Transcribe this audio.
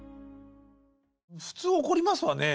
普通怒りますわね。